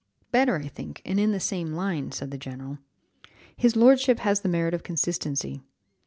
"Better I think, and in the same line," said the general: "his lordship has the merit of consistency.